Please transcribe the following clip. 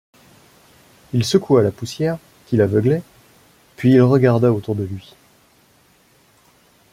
Il secoua la poussière qui l’aveuglait, puis il regarda autour de lui.